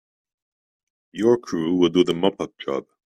Your crew will do the mop up job.